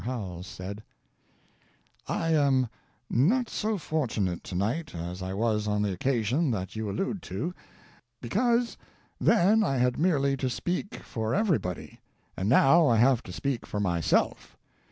Howells said: "I am not as fortunate tonight as I was on the occasion that you allude to because then I had merely to speak for everybody, and now I have to speak for myself.